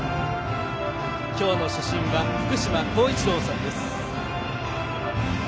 今日の主審は福島孝一郎さんです。